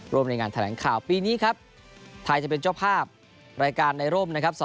ร่วมในงานแถลงข่าวปีนี้ครับไทยจะเป็นเจ้าภาพรายการในร่มนะครับ